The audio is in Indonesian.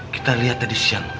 kita lihat tadi siang